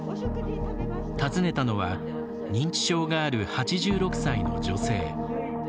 訪ねたのは認知症がある８６歳の女性。